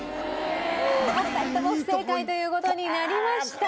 お二人とも不正解という事になりました。